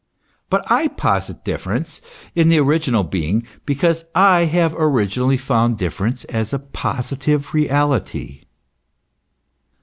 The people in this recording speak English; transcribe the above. But I posit difference in the original being, because I have originally found difference as a positive reality.